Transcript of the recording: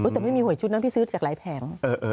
แต่ไม่มีหวยชุดนั้นที่ซื้อจากหลายแผง